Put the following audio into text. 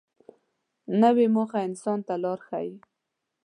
نوې موخه انسان ته لار ښیي